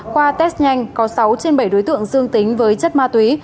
qua test nhanh có sáu trên bảy đối tượng dương tính với chất ma túy